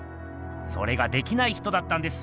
それができない人だったんです。